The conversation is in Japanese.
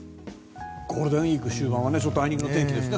ゴールデンウィーク終盤あいにくの天気ですね。